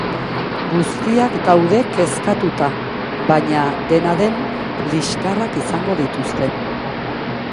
Guztiak daude kezkatuta, baina, dena den, liskarrak izango dituzte.